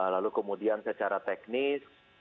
lalu kemudian secara teknis